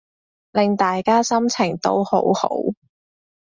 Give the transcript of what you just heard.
令大家心情都好好